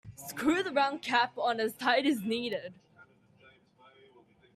Screw the round cap on as tight as needed.